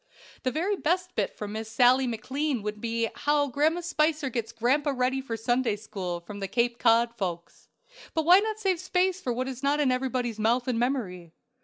The very best bit from Miss Sallie McLean would be how "Grandma Spicer gets Grandpa Ready for Sunday school," from the "Cape Cod Folks;" but why not save space for what is not in everybody's mouth and memory?